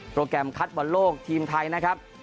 โปรแกรมคัทบนโลกทีมไทยนะครับ